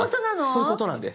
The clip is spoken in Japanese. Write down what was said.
そういうことなんです。